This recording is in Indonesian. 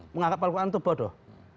menganggap al quran itu bodoh